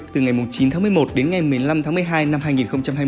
từ ngày chín tháng một mươi một đến ngày một mươi năm tháng một mươi hai